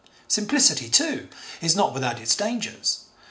Simplicity, too, is not without its dangers.